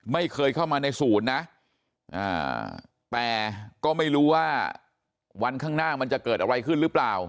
ไม่เคยเข้ามาในศูนย์นะแต่ก็ไม่รู้ว่าวันข้างหน้ามันจะเกิดอะไรขึ้นหรือเปล่า